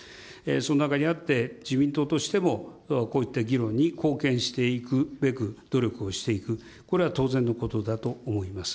その中にあって、自民党としてもこういった議論に貢献していくべく、努力をしていく、これは当然のことだと思います。